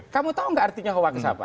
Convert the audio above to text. kamu tahu nggak artinya hoax apa